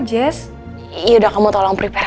jess yaudah kamu tolong prepare